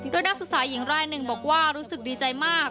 โดยนักศึกษาหญิงรายหนึ่งบอกว่ารู้สึกดีใจมาก